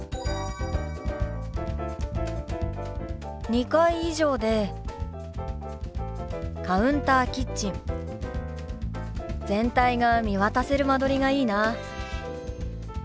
２階以上でカウンターキッチン全体が見渡せる間取りがいいな。